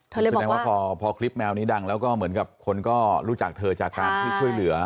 แสดงว่าพอคลิปแมวนี้ดังแล้วก็เหมือนกับคนก็รู้จักเธอจากการที่ช่วยเหลือ